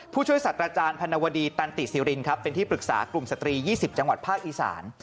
ผู้ช่วยสัตว์อาจารย์พนวดีตันติสิรินครับเป็นที่ปรึกษากลุ่มสตรี๒๐จังหวัดภาคอีสาน